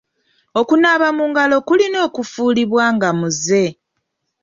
Okunaaba mu ngalo kulina kufuulibwa nga muze.